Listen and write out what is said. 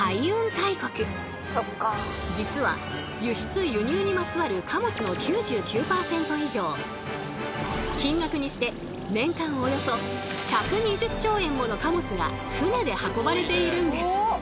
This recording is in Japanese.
実は輸出・輸入にまつわる金額にして年間およそ１２０兆円もの貨物が船で運ばれているんです。